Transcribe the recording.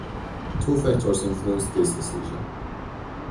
Two factors influenced this decision.